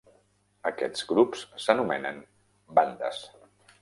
Aquests grups s'anomenen bandes.